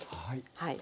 はい。